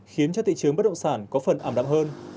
khiến cho thị trường bất động sản có phần ảm đạm hơn